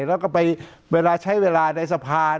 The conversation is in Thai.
แล้วก็ไปเวลาใช้เวลาในสะพาน